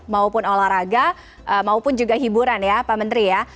maupun olahraga maupun juga hiburan ya pak menteri ya